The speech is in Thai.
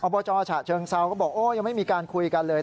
บจฉะเชิงเซาก็บอกโอ้ยังไม่มีการคุยกันเลย